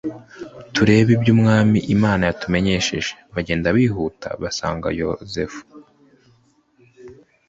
turebe iby'Umwami Imana yatumenyesheje.» Bagenda bihuta basanga Yosefu